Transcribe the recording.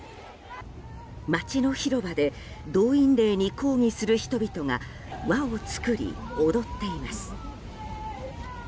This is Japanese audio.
街の広場で動員令に抗議する人々が輪を作り、踊っています。